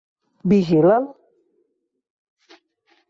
Vigila'l.